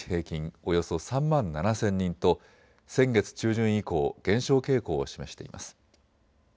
およそ３万７０００人と先月中旬以降、減少傾向を示しています。